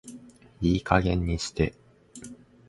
いい加減にして